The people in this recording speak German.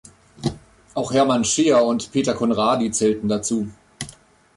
Auch Hermann Scheer und Peter Conradi zählten dazu.